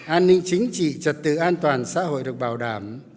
an ninh chính trị trật tự an toàn xã hội được bảo đảm